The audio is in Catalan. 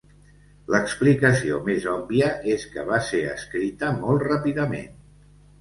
L'explicació més obvia és que va ser escrita molt ràpidament.